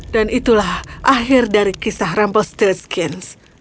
dan itulah akhir dari kisah rumpelstiltskin